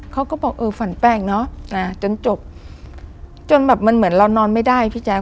เขาก็บอกเออฝันแป้งเนอะนะจนจบจนแบบมันเหมือนเรานอนไม่ได้พี่แจ๊ค